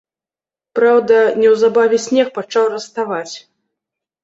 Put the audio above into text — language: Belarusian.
Праўда, неўзабаве снег пачаў раставаць.